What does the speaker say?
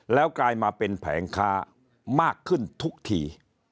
แล้วกลายมาเป็นแผงค้ามากขึ้นทุกที